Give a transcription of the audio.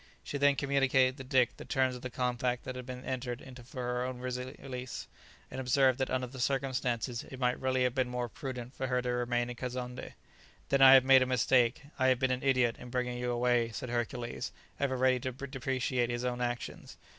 She then communicated to Dick the terms of the compact that had been entered into for her own release, and observed that under the circumstances it might really have been more prudent for her to remain in Kazonndé. "Then I have made a mistake; I have been an idiot, in bringing you away," said Hercules, ever ready to depreciate his own actions.